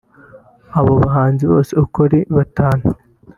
Aba bahanzi bose uko ari batanu